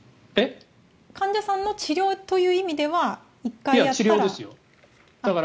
患者さんの治療という意味では１回やったら。